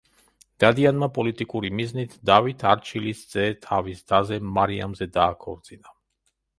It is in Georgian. დადიანმა, პოლიტიკური მიზნით, დავით არჩილის ძე თავის დაზე, მარიამზე დააქორწინა.